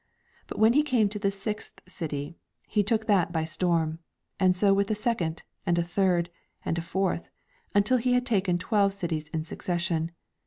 • But when he came to the sixth city he took that by storm, and so with a second, and a third, and a fourth, until he had taken twelve cities in succession.